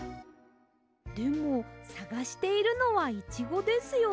でもさがしているのはイチゴですよね。